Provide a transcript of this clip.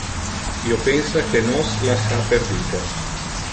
Io pensa que nos las ha perdite.